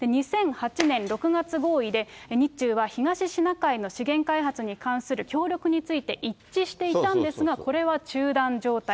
２００８年６月合意で、日中は東シナ海の資源開発に関する協力について一致していたんですが、これは中断状態。